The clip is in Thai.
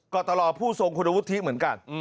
กรตรอผู้ทรงคุณวุฒิเหมือนกัน